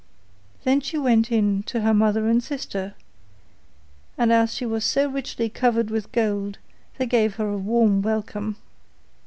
Then she went in to her mother and sister, and as she was so richly covered with gold, they gave her a warm welcome.